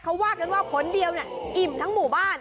เขาว่ากันว่าผลเดียวเนี่ยอิ่มทั้งหมู่บ้าน